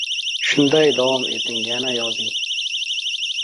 — Tavba qildim aka, tavba qildim.